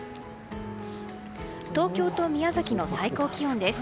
東京と宮崎の最高気温です。